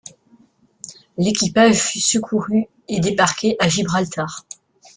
L'équipage fut secouru et débarqué à Gibraltar.